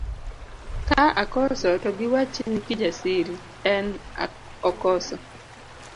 Ka akoso to giwach ni Kijasiri en okoso.